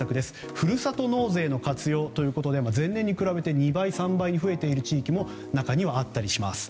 ふるさと納税の活用ということで前年に比べて２倍３倍に増えている地域も中にはあったりします。